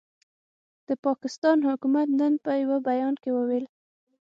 د پاکستان حکومت نن په یوه بیان کې وویل،